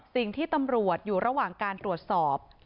สิ่งที่ตำรวจอยู่ระหว่างการตรวจสอบ